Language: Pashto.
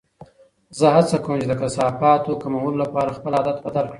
زه هڅه کوم چې د کثافاتو کمولو لپاره خپل عادت بدل کړم.